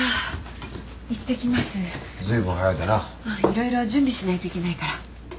色々準備しないといけないから。